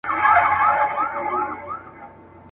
پر کلیو، پر ښارونو یې ځالۍ دي غوړولي.